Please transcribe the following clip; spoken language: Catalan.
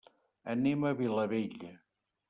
Anem a Vilabella.